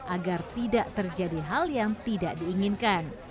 agar tidak terjadi hal yang tidak diinginkan